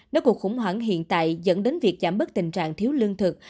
nếu cuộc khủng hoảng hiện tại dẫn đến việc giảm bớt tình trạng thiếu lương thực